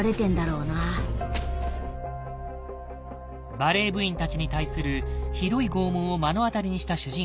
バレー部員たちに対するひどい拷問を目の当たりにした主人公たち。